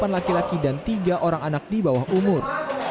delapan laki laki dan tiga orang anak di bawah umur